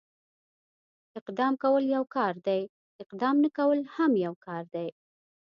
اقدام کول يو کار دی، اقدام نه کول هم يو کار دی.